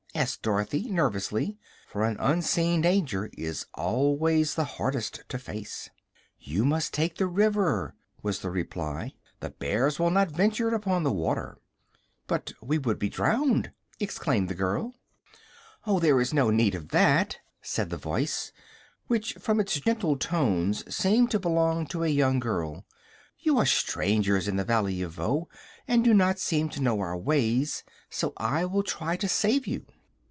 asked Dorothy, nervously, for an unseen danger is always the hardest to face. "You must take to the river," was the reply. "The bears will not venture upon the water." "But we would be drowned!" exclaimed the girl. "Oh, there is no need of that," said the voice, which from its gentle tones seemed to belong to a young girl. "You are strangers in the Valley of Voe, and do not seem to know our ways; so I will try to save you."